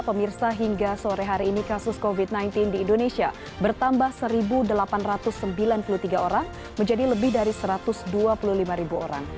pemirsa hingga sore hari ini kasus covid sembilan belas di indonesia bertambah satu delapan ratus sembilan puluh tiga orang menjadi lebih dari satu ratus dua puluh lima orang